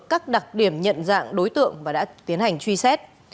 các đặc điểm nhận dạng đối tượng và đã tiến hành truy xét